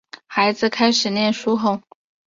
孩子开始念书后